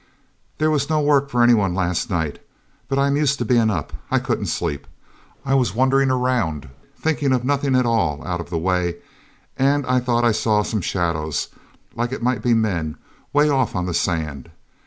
"There was no work for anyone last night, but I'm used to bein' up. I couldn't sleep. I was wanderin' around, thinkin' of nothin' at all out of the way, and I thought I saw some shadows, like it might be men, way off on the sand.